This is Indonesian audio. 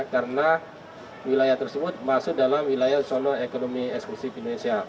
karena wilayah tersebut masuk dalam wilayah zona ekonomi eksklusif indonesia